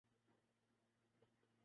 تشریف رکھئے